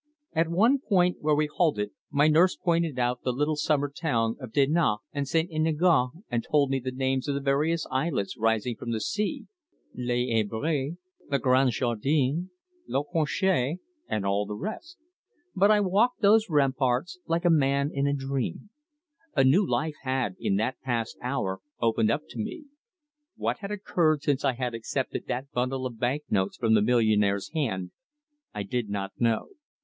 At one point where we halted my nurse pointed out the little summer town of Dinard and St. Enogat, and told me the names of the various islets rising from the sea, Les Herbiers, the Grand Jardin, La Conchée, and all the rest. But I walked those ramparts like a man in a dream. A new life had, in that past hour, opened up to me. What had occurred since I had accepted that bundle of bank notes from the millionaire's hand I did not know.